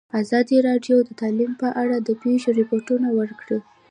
ازادي راډیو د تعلیم په اړه د پېښو رپوټونه ورکړي.